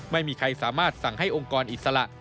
ไม่มีใครสามารถสั่งให้องค์กรอิสระ